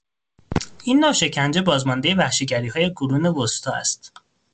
این نوع شکنجه بازماندهی وحشیگریهای قرون وسطی است.